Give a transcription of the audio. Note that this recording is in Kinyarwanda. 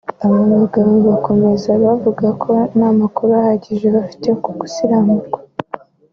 Aba bagabo bakomeza bavuga ko nta makuru ahagije bafite ku gusiramurwa